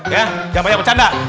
jangan banyak bercanda